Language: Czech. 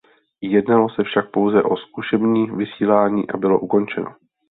Jednalo se však pouze o zkušební vysílání a bylo ukončeno.